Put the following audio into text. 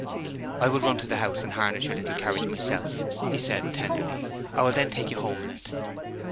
'I will run to the house and harness your little carriage myself,' he said tenderly. 'I will then take you home in it.'